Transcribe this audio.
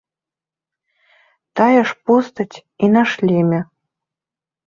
Тая ж постаць і на шлеме.